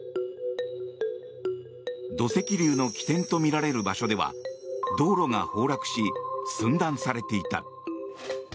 土石流の起点とみられる場所では道路が崩落し寸断されていた。